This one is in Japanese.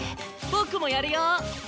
僕もやるよ。